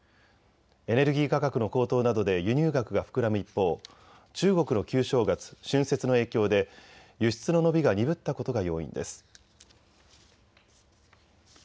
エネルギー価格の高騰などで輸入額が膨らむ一方、中国の旧正月、春節の影響で輸出の伸びが鈍ったことが要因です。